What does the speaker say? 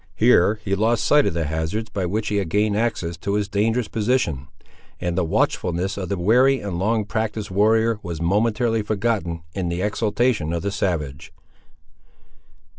Here he lost sight of the hazards by which he had gained access to his dangerous position; and the watchfulness of the wary and long practised warrior was momentarily forgotten in the exultation of the savage.